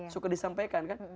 suka disampaikan kan